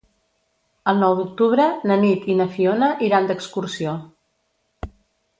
El nou d'octubre na Nit i na Fiona iran d'excursió.